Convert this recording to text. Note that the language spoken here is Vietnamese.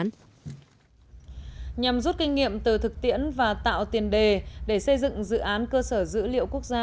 nhằm rút kinh nghiệm từ thực tiễn và tạo tiền đề để xây dựng dự án cơ sở dữ liệu quốc gia